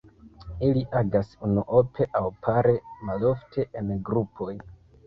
Ili agas unuope aŭ pare, malofte en grupoj.